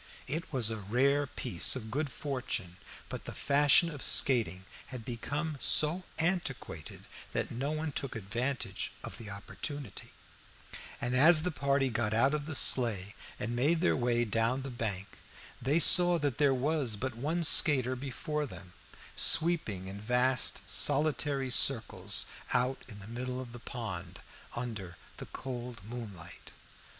It was a rare piece of good fortune, but the fashion of skating had become so antiquated that no one took advantage of the opportunity; and as the party got out of the sleigh and made their way down the bank, they saw that there was but one skater before them, sweeping in vast solitary circles out in the middle of the pond, under the cold moonlight.